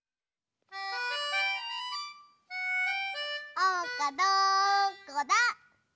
・おうかどこだ？